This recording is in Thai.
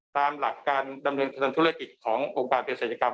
ตามหลักการดำเนินทางธุรกิจขององค์การเพศรัชกรรม